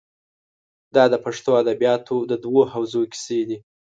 دا د پښتو ادبیاتو د دوو حوزو کیسې دي.